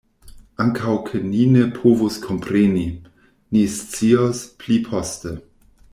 Ankaŭ ke ni ne povus kompreni; ni scios pli poste.